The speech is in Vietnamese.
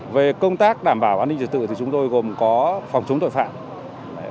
về công tác đảm bảo an ninh trật tự thì chúng tôi gồm có phòng chống tội phạm